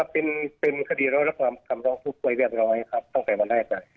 เป็นคดีร้อยรับความคำร้องทุกข์ไว้เรียบร้อยครับตั้งแต่วันแรกเลย